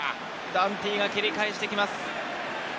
ダンティが切り返していきます。